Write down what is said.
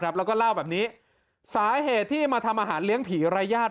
แล้วก็เล่าแบบนี้สาเหตุที่มาทำอาหารเลี้ยงผีรายญาติ